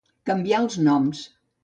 Canviar els noms.